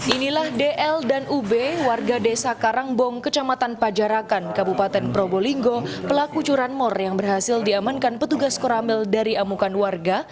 inilah dl dan ub warga desa karangbong kecamatan pajarakan kabupaten probolinggo pelaku curanmor yang berhasil diamankan petugas koramil dari amukan warga